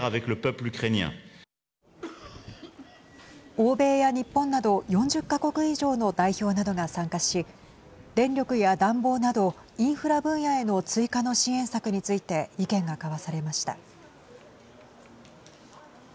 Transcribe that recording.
欧米や日本など４０か国以上の代表などが参加し電力や暖房などインフラ分野への追加の支援策について意見が交わされました。